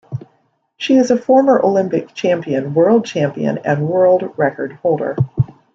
She is a former Olympic champion, world champion, and world record holder.